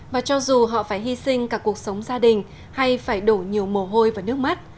và cho dù họ phải hy sinh cả cuộc sống gia đình hay phải đổ nhiều mồ hôi và nước mắt